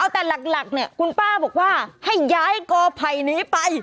แต่หลักเนี่ยคุณป้าบอกว่าให้ย้ายกอไผ่นี้ไป